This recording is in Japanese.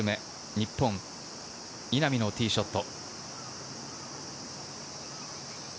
日本・稲見のティーショット。